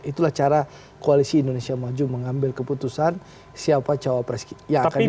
itulah cara koalisi indonesia maju mengambil keputusan siapa cawapres yang akan dipilih